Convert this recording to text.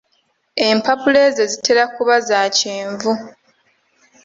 Empapula ezo zitera kuba za kyenvu.